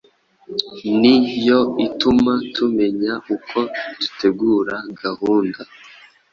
ni yo ituma tumenya uko dutegura gahunda